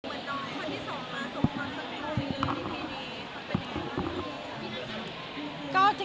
คนที่ส่งมาส่งก่อนสักทีในที่ดีเป็นยังไงครับ